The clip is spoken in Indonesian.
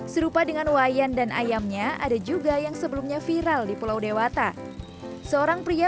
serupa dengan wayan dan ayamnya ada juga yang sebelumnya viral di pulau dewata seorang pria